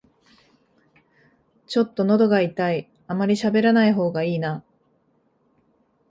ちょっとのどが痛い、あまりしゃべらない方がいいな